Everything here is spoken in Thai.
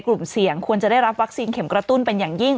กลุ่มเสี่ยงควรจะได้รับวัคซีนเข็มกระตุ้นเป็นอย่างยิ่ง